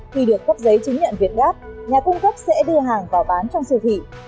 khi được cấp giấy chứng nhận việt gáp nhà cung cấp sẽ đưa hàng vào bán trong siêu thị